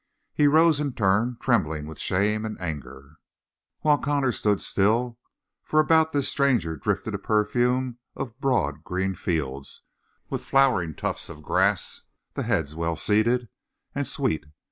He rose in turn, trembling with shame and anger, while Connor stood still, for about this stranger drifted a perfume of broad green fields with flowering tufts of grass, the heads well seeded and sweet.